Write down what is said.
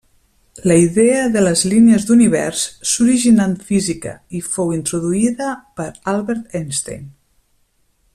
La idea de les línies d'univers s'originà en física, i fou introduïda per Albert Einstein.